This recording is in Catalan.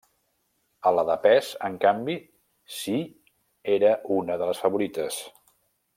A la de pes, en canvi, si era una de les favorites.